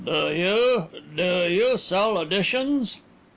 "Do you do you sell additions?"